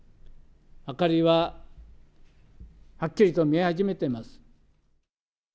明かりははっきりと見え始めています。